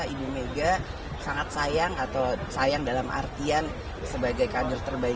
di publik salah satunya adalah puan maharani